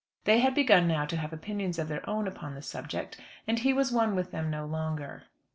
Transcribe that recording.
They had begun now to have opinions of their own upon the subject, and he was at one with them no longer.